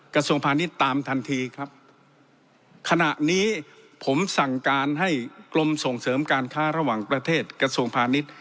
กระทรวงพาณิชย์ตามทันทีครับขณะนี้ผมสั่งการให้กรมส่งเสริมการค้าระหว่างประเทศกระทรวงพาณิชย์